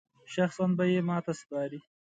شخصاً به یې ماته سپاري.